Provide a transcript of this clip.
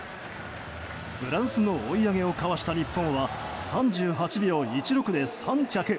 フランスの追い上げをかわした日本は３８秒１６で３着。